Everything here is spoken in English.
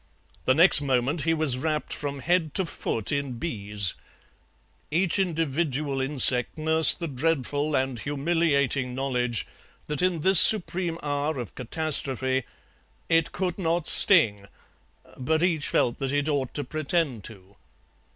The next moment he was wrapped from head to foot in bees; each individual insect nursed the dreadful and humiliating knowledge that in this supreme hour of catastrophe it could not sting, but each felt that it ought to pretend to.